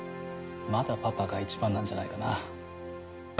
まだパパが一番なんじゃないかな。